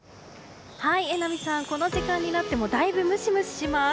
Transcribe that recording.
榎並さん、この時間になってもだいぶムシムシします。